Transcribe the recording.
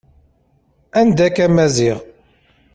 Anda-k a Maziɣ.